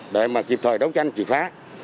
để mà kịp thời đấu tranh trị phá